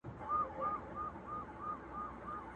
بیرته یوسه خپل راوړي سوغاتونه!!